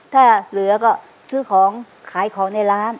ถ้าเหลือก็ซื้อของขายของในร้าน